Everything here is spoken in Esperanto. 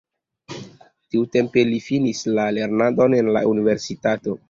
Tiutempe li finis la lernadon en la universitato.